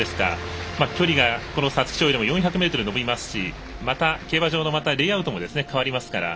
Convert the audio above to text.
距離が皐月賞よりも４００ｍ延びますしまた競馬場のレイアウトも変わりますから。